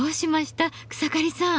草刈さん。